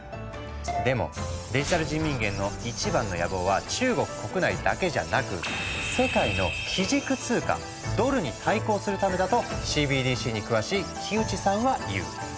でもデジタル人民元の一番の野望は中国国内だけじゃなく世界の基軸通貨ドルに対抗するためだとＣＢＤＣに詳しい木内さんは言う。